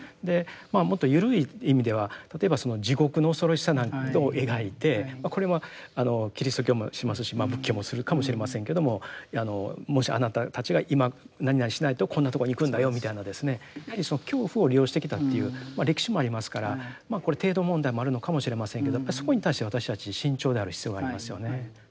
もっと緩い意味では例えば地獄の恐ろしさなんていうことを描いてこれはキリスト教もしますし仏教もするかもしれませんけどももしあなたたちが今なになにしないとこんなとこに行くんだよみたいなですねやはりその恐怖を利用してきたという歴史もありますからこれ程度問題もあるのかもしれませんけどやっぱりそこに対して私たち慎重である必要がありますよね。